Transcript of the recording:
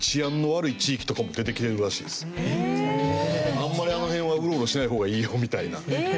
あんまりあの辺はウロウロしない方がいいよみたいな。